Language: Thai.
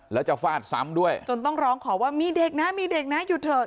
แล้วจะฟาดซ้ำด้วยจนต้องร้องขอว่ามีเด็กนะมีเด็กนะหยุดเถอะ